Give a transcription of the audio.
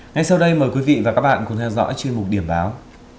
ngay sau đây mời quý vị và các bạn cùng theo dõi chương trình một điểm báo